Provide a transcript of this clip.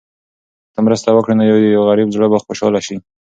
که ته مرسته وکړې، نو د یو غریب زړه به خوشحاله شي.